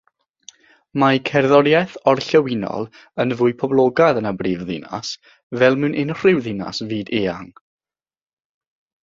Mae cerddoriaeth Orllewinol yn fwy poblogaidd yn y brifddinas, fel mewn unrhyw ddinas fyd-eang.